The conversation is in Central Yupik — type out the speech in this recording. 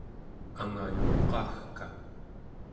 angayuqaagka